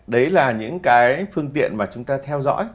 đấy là những cái phương tiện mà chúng ta theo dõi